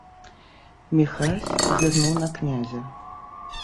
Міхась зірнуў на князя.